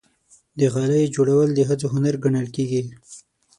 د غالۍ جوړول د ښځو هنر ګڼل کېږي.